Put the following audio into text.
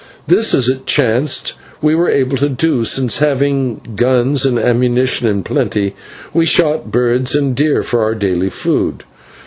This, as it chanced, we were able to do, since, having guns and ammunition in plenty, we shot birds and deer for our daily food.